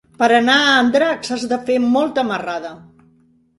Per anar a Andratx has de fer molta marrada.